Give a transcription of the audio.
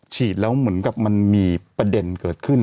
ฉีดแล้วเหมือนกับมันมีประเด็นเกิดขึ้น